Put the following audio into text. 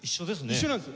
一緒なんです。